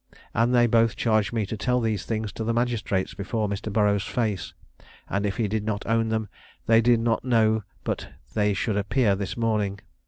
And they both charged me to tell these things to the magistrates before Mr. Burroughs's face; and if he did not own them, they did not know but they should appear this morning.